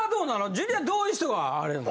ジュニアどういう人があれなの？